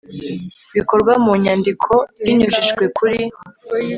bikorwa mu nyandiko binyujijwe kuri